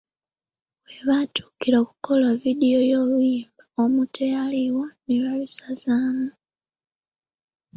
We baatuukira okukola vidiyo y’oluyimba omu teyaliiwo ne babisazaamu.